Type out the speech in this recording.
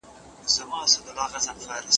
زه به ستا د نېکمرغۍ لپاره تل سپېڅلې دعاګانې کوم.